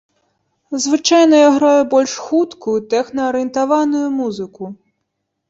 Звычайна я граю больш хуткую, тэхна-арыентаваную музыку.